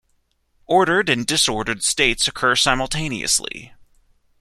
Ordered and disordered states occur simultaneously.